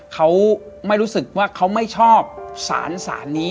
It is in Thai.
เขาไม่รู้สึกว่าเขาไม่ชอบสารสารนี้